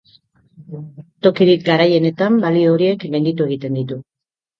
Tokirik garaienetan, balio horiek gainditu egiten ditu.